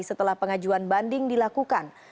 setelah pengajuan banding dilakukan